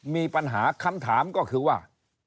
มีปัญหาคำถามก็คือว่า